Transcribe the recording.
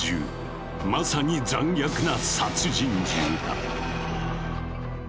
まさに残虐な殺人獣だ。